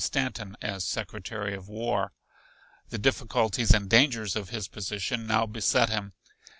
Stanton as Secretary of War. The difficulties and dangers of his position now beset him.